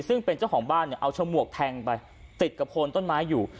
ซึ่งเป็นเจ้าของบ้านเนี่ยเอาฉมวกแทงไปติดกับโคนต้นไม้อยู่